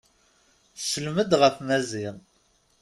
Tsellem-d ɣef Maziɣ.